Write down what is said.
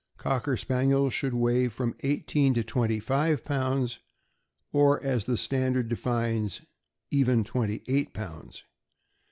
Cocker Spaniels should weigh from eighteen to twenty five pounds, or, as the stand ard defines, even twenty eight pounds.